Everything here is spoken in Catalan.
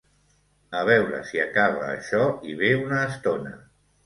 A veure si acaba això i ve una estona.